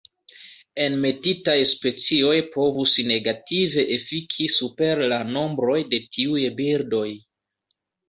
Enmetitaj specioj povus negative efiki super la nombroj de tiuj birdoj.